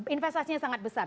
investasinya sangat besar